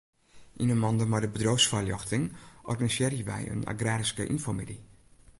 Yn 'e mande mei de bedriuwsfoarljochting organisearje wy in agraryske ynfomiddei.